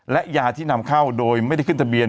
และยาที่นำเข้าโดยไม่ได้ขึ้นทะเบียน